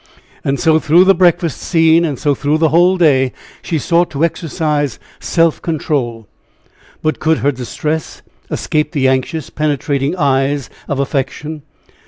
And so through the breakfast scene, and so through the whole day she sought to exercise self control. But could her distress escape the anxious, penetrating eyes of affection?